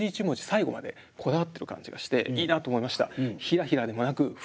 最後までこだわってる感じがしていいなと思いました。